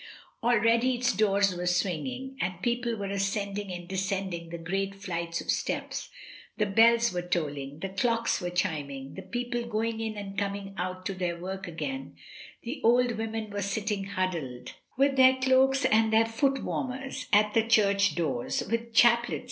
Already its doors were swinging, and people were ascending and descending the great flights of steps; the bells were tolling, the clocks were chiming, the people going in and coming out to their work again; the old women were sitting huddled, with their cloaks and their foot warmers, at the church doors, with chaplets AT A WINDOW.